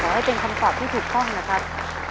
ให้เป็นคำตอบที่ถูกต้องนะครับ